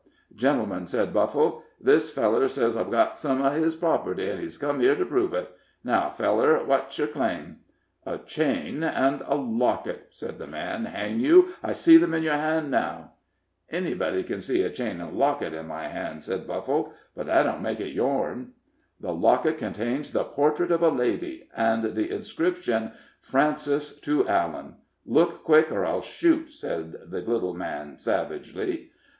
"Gentlemen," said Buffle, "this feller sez I've got some uv his property, an' he's come here to prove it. Now, feller, wot's yer claim?" "A chain and locket," said the man; "hang you, I see them in your hand now." "Ennybody ken see a chain an' locket in my hand," said Buffle, "but that don't make it yourn." "The locket contains the portrait of a lady, and the inscription 'Frances to Allan' look quick, or I'll shoot!" said the little man, savagely.